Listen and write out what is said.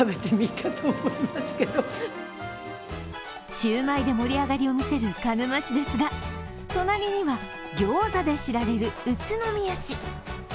シューマイで盛り上がりを見せる鹿沼市ですが隣にはギョーザで知られる宇都宮市。